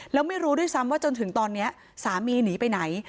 แล้วไม่รู้ด้วยซ้ำว่าจนถึงตอนนี้สามีหนีไปไหน